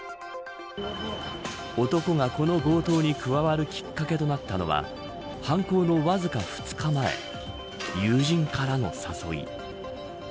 男がこの強盗に加わるきっかけとなったのは犯行のわずか２日前友人からの誘い。